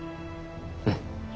うん。